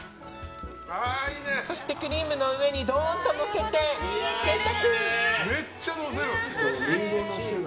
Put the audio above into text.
そしてクリームの上にドーンとのせて、贅沢！